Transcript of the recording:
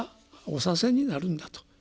おさせになるんだと。